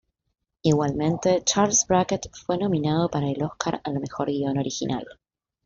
Igualmente Charles Brackett fue nominado para el Óscar al mejor guion original.